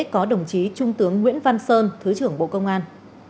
có đồng chí trung tướng nguyễn văn sơn thứ trưởng bộ công an